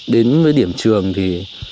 đến điểm trường thì